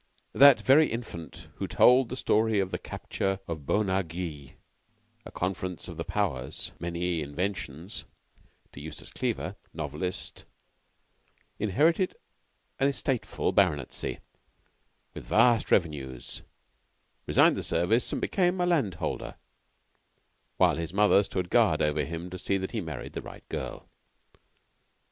That very Infant who told the story of the capture of Boh Na Ghee [A Conference of the Powers: "Many Inventions"] to Eustace Cleaver, novelist, inherited an estateful baronetcy, with vast revenues, resigned the service, and became a landholder, while his mother stood guard over him to see that he married the right girl.